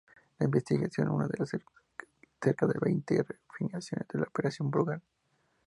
La investigación una de las cerca de veinte ramificaciones de la operación Brugal.